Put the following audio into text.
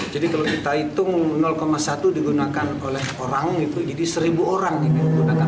jadi kalau kita hitung satu digunakan oleh orang jadi seribu orang ini